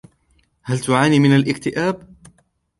هل تعاني من الأكتئاب؟